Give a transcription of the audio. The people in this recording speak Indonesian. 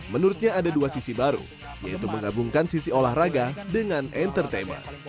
menurutnya ada dua sisi baru yaitu menggabungkan sisi olahraga dengan entertainment